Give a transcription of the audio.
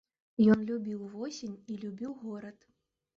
Ён любіў восень і любіў горад.